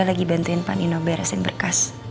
lagi bantuin pak nino beresin berkas